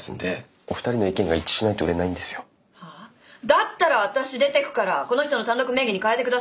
だったら私出てくからこの人の単独名義に変えてくださいよ。